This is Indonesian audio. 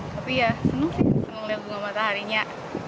tapi ya seneng sih seneng lihat bunga mataharinya